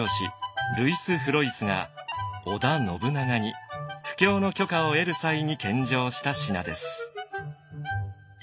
ルイス・フロイスが織田信長に布教の許可を得る際に献上した品です。